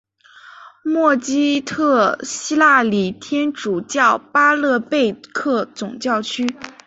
默基特希腊礼天主教巴勒贝克总教区。